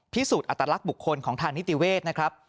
พิสูจน์อัตลักษณ์บุคคลของทางนิติเวศนะครับ